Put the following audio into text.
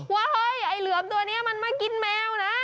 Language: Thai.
เฮ้ยไอ้เหลือมตัวนี้มันมากินแมวนะ